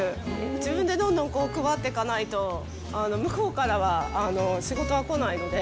自分でどんどん配ってかないと、向こうからは仕事は来ないので。